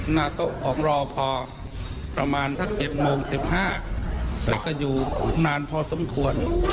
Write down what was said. หน้าโต๊ะของรอพอประมาณสัก๗โมง๑๕แต่ก็อยู่นานพอสมควร